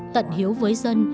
tận hiếu với dân